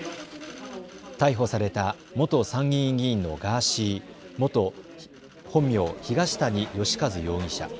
逮捕された元参議院議員のガーシー、本名、東谷義和容疑者。